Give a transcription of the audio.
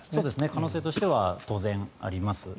可能性としては当然あります。